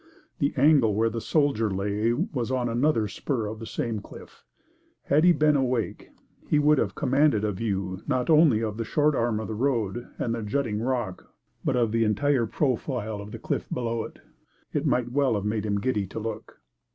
The angle where the soldier lay was on another spur of the same cliff. Had he been awake, he would have commanded a view, not only of the short arm of the road and the jutting rock, but of the entire profile of the cliff below it. It might well have made him giddy to look.